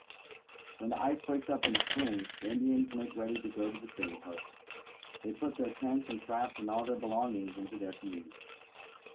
When the ice breaks up in the spring, the Indians make icady to go to the trading post. They put their tents and traps and all their belongings into their canoes.